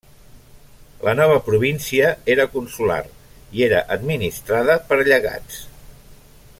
La nova província era consular i era administrada per llegats.